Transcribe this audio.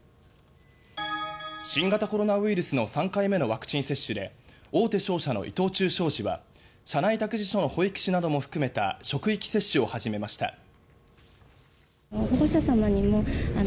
新型コロナウイルスの３回目のワクチン接種で大手商社の伊藤忠商事は社内託児所の保育士なども含めた職域接種を始めました。